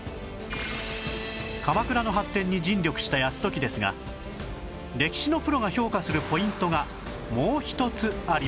鎌倉の発展に尽力した泰時ですが歴史のプロが評価するポイントがもう一つありました